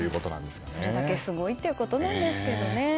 それだけすごいということなんですけどね。